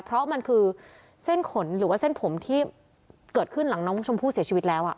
เพราะมันคือเส้นขนหรือว่าเส้นผมที่เกิดขึ้นหลังน้องชมพู่เสียชีวิตแล้ว